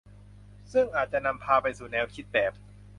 ซึ่งอาจจะนำพาไปสู่แนวคิดแบบ